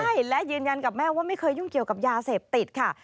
ใช่และยืนยันกับแม่ว่าไม่เคยยุ่งเกี่ยวกับยาเสพติดค่ะ